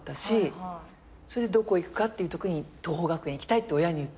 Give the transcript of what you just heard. それでどこ行くかっていうときに桐朋学園行きたいって親に言ったの。